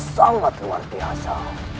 sangat luar biasa